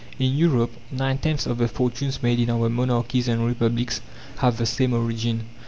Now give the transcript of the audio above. In Europe, nine tenths of the fortunes made in our monarchies and republics have the same origin.